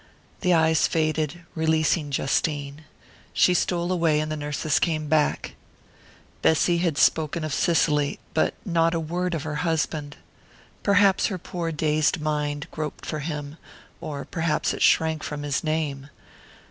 The eyes faded, releasing Justine. She stole away, and the nurses came back. Bessy had spoken of Cicely but not a word of her husband! Perhaps her poor dazed mind groped for him, or perhaps it shrank from his name....